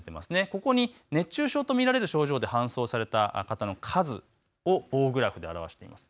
ここに熱中症と見られる症状で搬送された方の数を棒グラフで表しています。